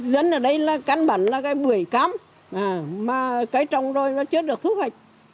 dân ở đây là căn bẩn là cái bưởi cám mà cái trong rồi nó chưa được thu hoạch